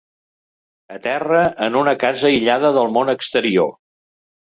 Aterra en una casa aïllada del món exterior.